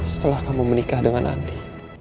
setelah kamu menikah dengan andi